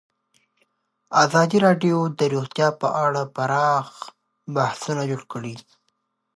ازادي راډیو د روغتیا په اړه پراخ بحثونه جوړ کړي.